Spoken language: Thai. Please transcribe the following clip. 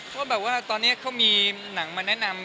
พี่เอ๊วแบบดีกว่ามีนางมาแนะนำ